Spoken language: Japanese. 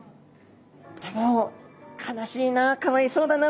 でも悲しいなかわいそうだな